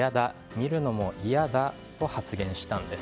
見るのも嫌だと発言したのです。